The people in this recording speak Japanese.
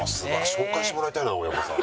紹介してもらいたいな親御さん。